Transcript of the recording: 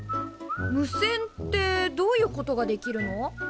無線ってどういうことができるの？